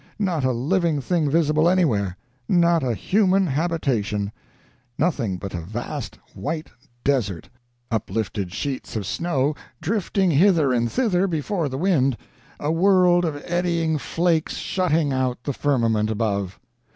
not a living thing visible anywhere, not a human habitation; nothing but a vast white desert; uplifted sheets of snow drifting hither and thither before the wind a world of eddying flakes shutting out the firmament above.